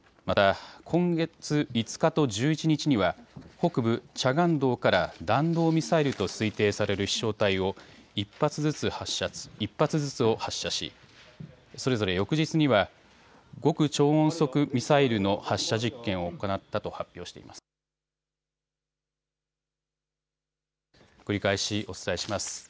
また、今月５日と１１日には北部チャガン道から弾道ミサイルと推定される飛しょう体を１発ずつを発射しそれぞれ翌日には極超音速ミサイルの発射実験を行ったと発表しています。